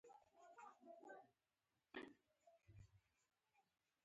زه واقعی دوی خوښوم